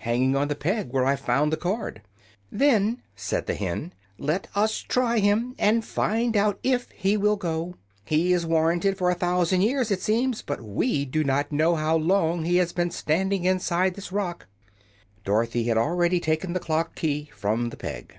"Hanging on the peg where I found the card." "Then," said the hen, "let us try him, and find out if he will go. He is warranted for a thousand years, it seems; but we do not know how long he has been standing inside this rock." Dorothy had already taken the clock key from the peg.